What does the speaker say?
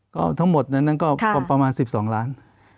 ก็ทั้งหมดนั้นก็ประมาณ๑๒ล้าน